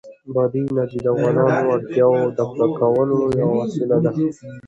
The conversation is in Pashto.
بادي انرژي د افغانانو د اړتیاوو د پوره کولو یوه وسیله ده.